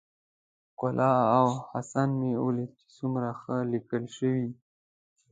ښکلا او حسن مې وليد چې څومره ښه ليکل شوي.